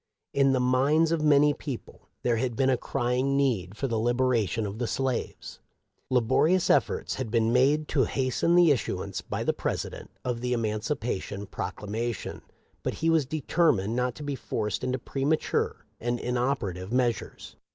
In the minds of many people there had been a crying need for the liberation of the slaves. Laborious efforts had been made to hasten the issuance by the President of the Eman cipation Proclamation, but he was determined not to be forced into premature and inoperative meas ures.